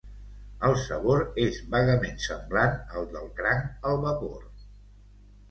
El sabor és vagament semblant al del cranc al vapor.